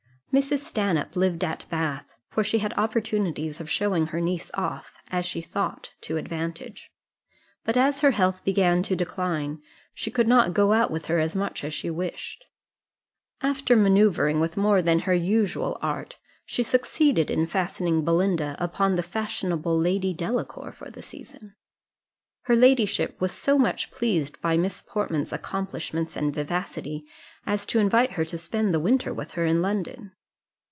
Mrs. Stanhope lived at Bath, where she had opportunities of showing her niece off, as she thought, to advantage; but as her health began to decline, she could not go out with her as much as she wished. After manoeuvring with more than her usual art, she succeeded in fastening Belinda upon the fashionable Lady Delacour for the season. Her ladyship was so much pleased by Miss Portman's accomplishments and vivacity, as to invite her to spend the winter with her in London.